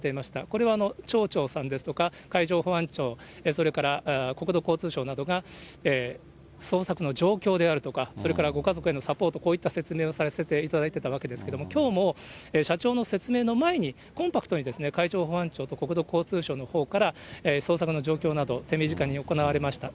これは町長さんですとか、海上保安庁、それから国土交通省などが捜索の状況であるとか、それからご家族へのサポート、こういった説明をされていたわけですけれども、きょうも社長の説明の前に、コンパクトに、海上保安庁と国土交通省のほうから捜索の状況など、手短に行われました。